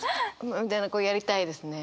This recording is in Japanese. みたいなこうやりたいですね。